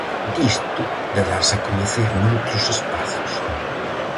Disto, de darse a coñecer noutros espazos.